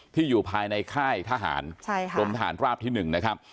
อยู่ภายในค่ายทหารกรมทหารราบที่๑นะครับ